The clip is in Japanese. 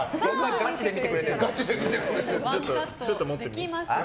ガチで見てくれてるんだ。